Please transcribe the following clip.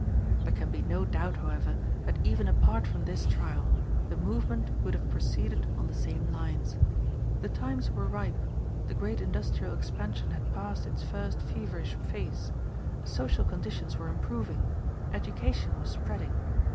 There can be no doubt, however, that even apart from this trial the movement would have proceeded on the same lines. The times were ripe, the great industrial expansion had passed its first feverish phase, social conditions were improving, education was spreading.